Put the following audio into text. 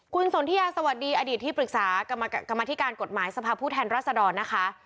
คุณสนที่อาสวรรค์ดีอดีตที่ปรึกษากรมทีการกฎหมายที่ทศพผู้แทนรัฐศาดวร์นะคะ